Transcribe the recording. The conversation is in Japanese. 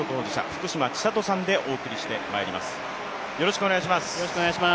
福島千里さんでお送りしてまいります。